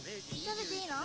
食べていいの？